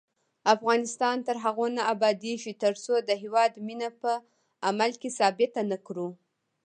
افغانستان تر هغو نه ابادیږي، ترڅو د هیواد مینه په عمل کې ثابته نکړو.